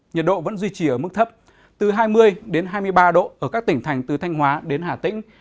nhiệt độ vẫn duy trì ở mức thấp từ hai mươi hai mươi ba độ ở các tỉnh thành từ thanh hóa đến hà tĩnh